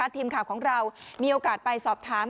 ทีมข่าวของเรามีโอกาสไปสอบถาม